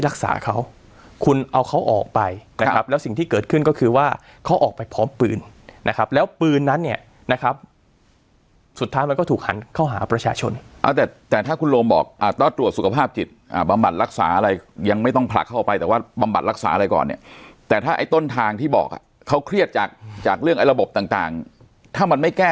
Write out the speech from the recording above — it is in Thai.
รักษาเขาคุณเอาเขาออกไปนะครับแล้วสิ่งที่เกิดขึ้นก็คือว่าเขาออกไปพร้อมปืนนะครับแล้วปืนนั้นเนี่ยนะครับสุดท้ายมันก็ถูกหันเข้าหาประชาชนเอาแต่แต่ถ้าคุณโรมบอกอ่าต้องตรวจสุขภาพจิตอ่าบำบัดรักษาอะไรยังไม่ต้องผลักเข้าไปแต่ว่าบำบัดรักษาอะไรก่อนเนี่ยแต่ถ้าไอ้ต้นทางที่บอกอ่ะเขาเครียดจากจากเรื่องไอ้ระบบต่างต่างถ้ามันไม่แก้